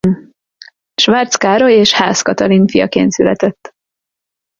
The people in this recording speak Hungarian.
Schwartz Károly és Haas Katalin fiaként született.